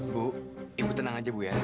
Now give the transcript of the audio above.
bu ibu tenang aja bu ya